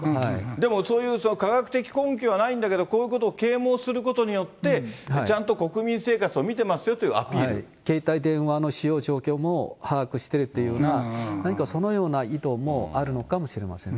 でもそういう科学的根拠はないんだけれども、こういうことを啓もうすることによって、ちゃんと国民生活を見てますよというア携帯電話の使用状況も把握してるというような、何かそのような意図もあるのかもしれませんね。